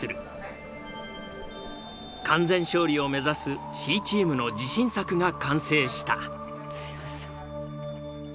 完全勝利を目指すＣチームの自信作が完成した。